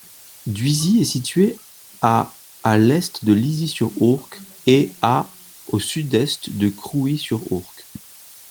Dhuisy est située à à l'est de Lizy-sur-Ourcq et à au sud-est de Crouy-sur-Ourcq.